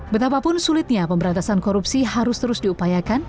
betapapun sulitnya pemberantasan korupsi harus terus diupayakan